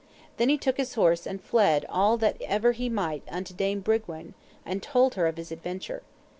Then he took his horse and fled all that ever he might unto Dame Bragwaine, and told her of his adventure.